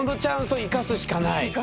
生かすしかない。